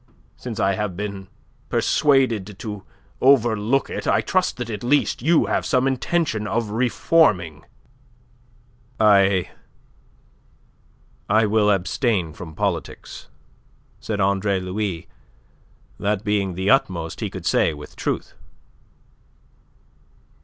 Since I have been persuaded to overlook it, I trust that at least you have some intention of reforming." "I... I will abstain from politics," said Andre Louis, that being the utmost he could say with truth.